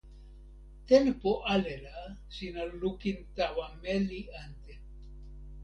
tenpo ale la sina lukin tawa meli ante.